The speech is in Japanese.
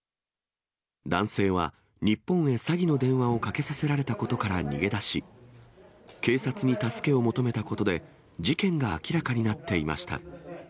男性は日本へ詐欺の電話をかけさせられたことから逃げ出し、警察に助けを求めたことで、事件が明らかになっていました。